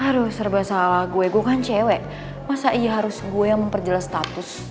aduh serba salah gue gue kan cewek masa iya harus gue yang memperjelas status